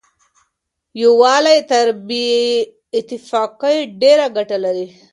يووالی تر بې اتفاقۍ ډېره ګټه لري.